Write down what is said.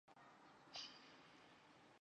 可分为岩岸与沙岸。